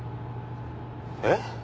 えっ？